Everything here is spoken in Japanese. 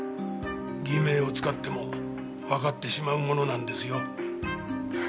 偽名を使ってもわかってしまうものなんですよ。